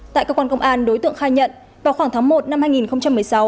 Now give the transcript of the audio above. tại cơ quan công an đối tượng khai nhận vào khoảng tháng một năm hai nghìn một mươi sáu